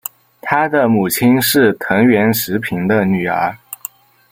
他的母亲是藤原时平的女儿。